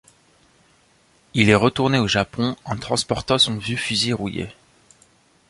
Il est retourné au Japon en transportant son vieux fusil rouillé.